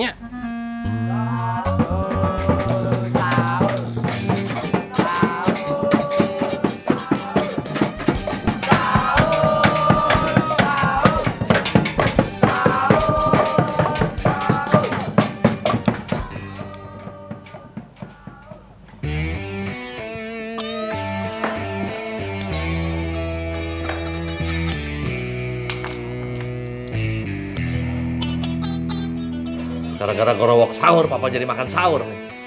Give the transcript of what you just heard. gara gara gorowok sahur papa jadi makan sahur nih